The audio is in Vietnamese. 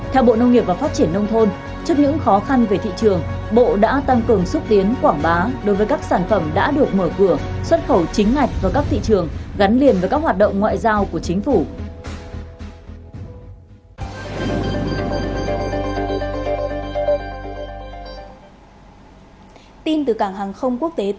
theo bộ nông nghiệp và phát triển nông thôn trước những khó khăn về thị trường bộ đã tăng cường xúc tiến quảng bá đối với các sản phẩm đã được mở cửa xuất khẩu chính ngạch vào các thị trường gắn liền với các hoạt động ngoại giao của chính phủ